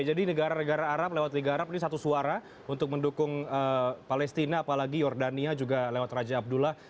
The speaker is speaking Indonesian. negara negara arab lewat liga arab ini satu suara untuk mendukung palestina apalagi jordania juga lewat raja abdullah